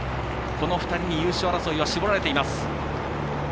人に優勝争いは絞られています。